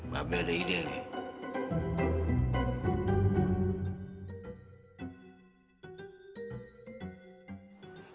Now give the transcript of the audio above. bapak ada ide nih